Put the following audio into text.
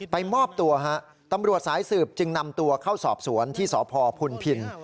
มอบตัวฮะตำรวจสายสืบจึงนำตัวเข้าสอบสวนที่สพพุนพิน